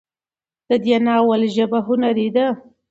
د دې ناول ژبه هنري ده